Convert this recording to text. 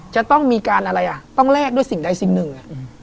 จะต้องมีการอะไรอ่ะต้องแลกด้วยสิ่งใดสิ่งหนึ่ง